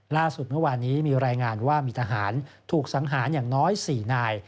ล่าสุดเมื่อวานนี้มีรายงานว่ามีทหารถูกสังหารอย่างน้อย๔นาย